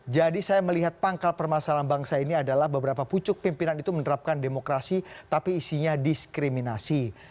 jadi saya melihat pangkal permasalahan bangsa ini adalah beberapa pucuk pimpinan itu menerapkan demokrasi tapi isinya diskriminasi